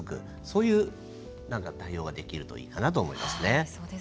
そういう対応ができるといいかなと思いますね。